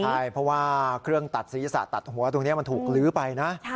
ใช่เพราะว่าเครื่องตัดศีรษะตัดหัวตรงนี้มันถูกลื้อไปนะ